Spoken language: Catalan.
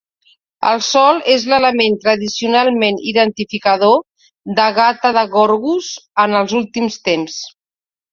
El sol és l'element tradicionalment identificador de Gata de Gorgos en els últims temps.